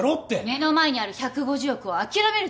目の前にある１５０億を諦めるつもり？